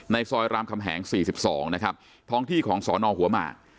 ในซอยรามคำแหงสี่สิบสองนะครับพ้องที่ของศนหัวมาก